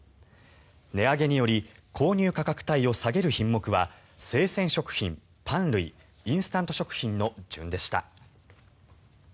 値上げにより購入価格帯を下げる品目は生鮮食品、パン類インスタント食品の順でした。